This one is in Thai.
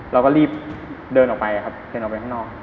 เราก็รีบเดินออกไปครับเดินออกไปข้างนอก